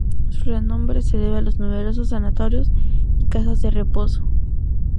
Su renombre se debe a los numerosos sanatorios y casas de reposo.